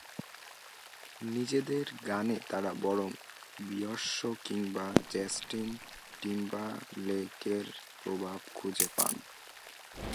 নিজেদের গানে তাঁরা বরং বিয়ন্স কিংবা জাস্টিন টিম্বারলেকের প্রভাব খুঁজে পান।